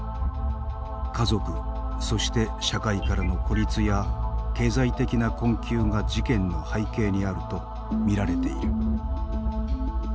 家族そして社会からの孤立や経済的な困窮が事件の背景にあるとみられている。